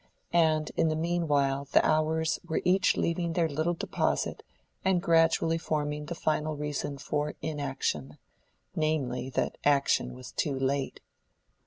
And in the mean while the hours were each leaving their little deposit and gradually forming the final reason for inaction, namely, that action was too late.